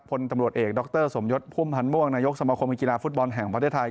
พลตำรวจเอกดรสมยศพุ่มพันธ์ม่วงนายกสมคมกีฬาฟุตบอลแห่งประเทศไทย